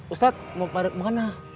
ustadz mau pada kemana